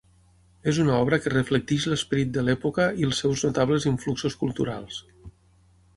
És una obra que reflecteix l'esperit de l'època i els seus notables influxos culturals.